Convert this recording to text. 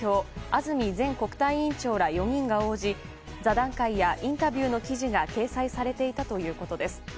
安住前国対委員長ら４人が応じ座談会やインタビューの記事が掲載されていたということです。